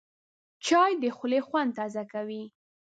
چای د خولې خوند تازه کوي